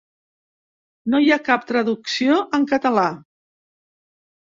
No hi ha cap traducció en català.